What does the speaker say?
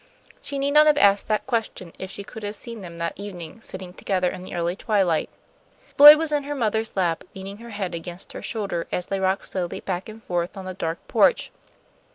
She need not have asked that question if she could have seen them that evening, sitting together in the early twilight. Lloyd was in her mother's lap, leaning her head against her shoulder as they rocked slowly back and forth on the dark porch.